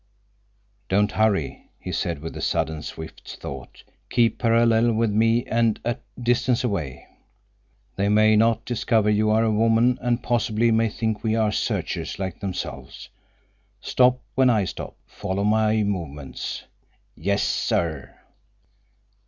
"Don't hurry," he said, with a sudden swift thought. "Keep parallel with me and a distance away. They may not discover you are a woman and possibly may think we are searchers like themselves. Stop when I stop. Follow my movements." "Yes, sir!"